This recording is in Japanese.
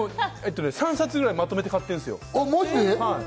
３冊くらいまとめて買ったんですよ。